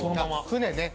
船ね。